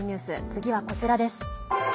次はこちらです。